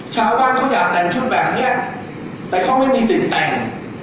ชาวบ้านเขาอยากแต่งชุดแบบนี้แต่เขาไม่มีสิทธิ์แต่ง